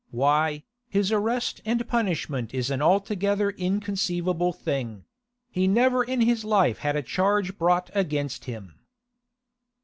Why, his arrest and punishment is an altogether inconceivable thing; he never in his life had a charge brought against him.